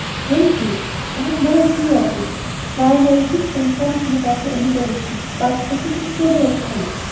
"Fancy! I had no idea of it. Lionel did say something about the elevation, but I didn't clearly attend."